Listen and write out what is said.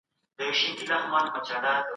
تاسي په خپلو لاسونو کي تل پاکي لرئ.